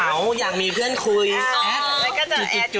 สวัสดีครับ